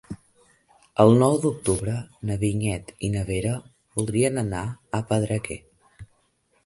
El nou d'octubre na Vinyet i na Vera voldrien anar a Pedreguer.